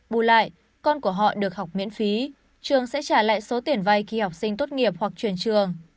bù lại con của họ được học miễn phí trường sẽ trả lại số tiền vay khi học sinh tốt nghiệp hoặc chuyển trường